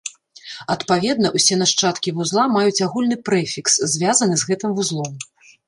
Адпаведна, усе нашчадкі вузла маюць агульны прэфікс, звязаны з гэтым вузлом.